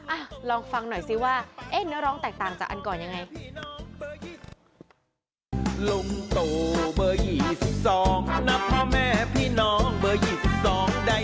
อ่ะลองฟังหน่อยสิว่าเนื้อร้องแตกต่างจากอันก่อนยังไง